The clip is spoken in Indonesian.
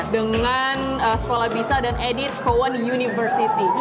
dengan sekolah bisa dan edith cowan university